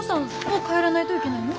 もう帰らないといけないの？